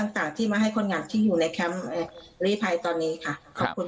ต่างที่มาให้คนงานที่อยู่ในแคมป์ลีภัยตอนนี้ค่ะขอบคุณ